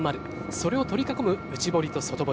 それを取り囲む内堀と外堀。